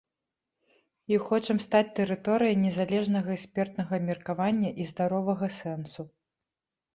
І хочам стаць тэрыторыяй незалежнага экспертнага меркавання і здаровага сэнсу.